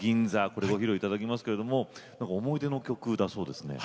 これご披露頂きますけれども思い出の曲だそうですね。